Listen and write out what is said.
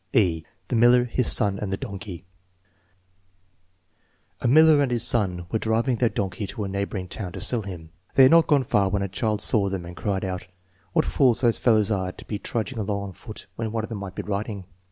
(e) The Miller, His Son, and the Donkey A miller and his son were driving their donkey to a neighboring town to sell him. They had not gone far when a child saw them and cried out: " What fools those fellows are to be trudging along on foot when one of them might be riding."